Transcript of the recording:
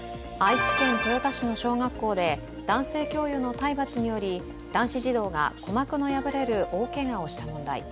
愛知県豊田市の小学校で男性教諭の体罰により男子児童が鼓膜の破れる大けがをした問題。